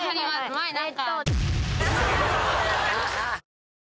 前何か。